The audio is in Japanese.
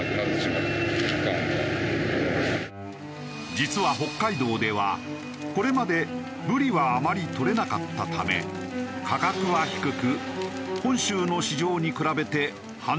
実は北海道ではこれまでブリはあまりとれなかったため価格は低く本州の市場に比べて半値ほどの場合も。